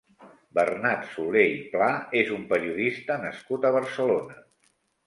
Bernat Soler i Pla és un periodista nascut a Barcelona.